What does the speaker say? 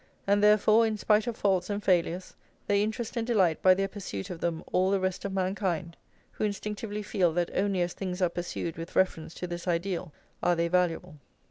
And therefore, in spite of faults and failures, they interest and delight by their pursuit of them all the rest of mankind, who instinctively feel that only as things are pursued with reference to this ideal are they valuable.